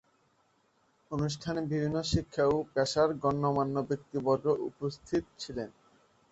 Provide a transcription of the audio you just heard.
অনুষ্ঠানে বিভিন্ন শিক্ষা ও পেশার গণ্যমান্য ব্যক্তিবর্গ উপস্থিত ছিলেন।